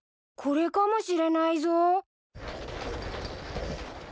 これかもしれないぞ。